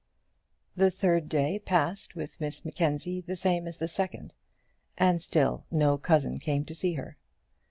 The third day passed with Miss Mackenzie the same as the second, and still no cousin came to see her.